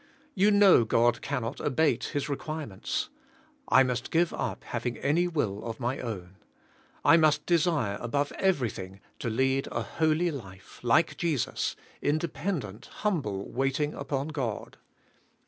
You know God cannot abate His requirements. I must g ive up having any will of my ov/n, I must desire above everything to lead a holy life like Jesus, in dependent, humble waiting upon God.